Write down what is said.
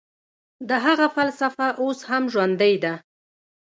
د هغه فلسفه اوس هم ژوندۍ ده.